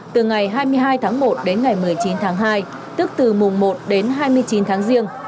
từ ngày hai mươi hai tháng một đến ngày một mươi chín tháng hai tức từ mùng một đến hai mươi chín tháng riêng